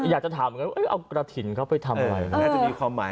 อยากจะถามกระถิ่นเขาไปทำอะไร